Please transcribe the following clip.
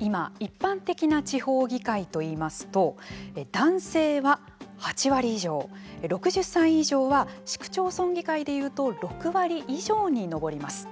今、一般的な地方議会といいますと、男性は８割以上６０歳以上は、市区町村議会でいうと、６割以上に上ります。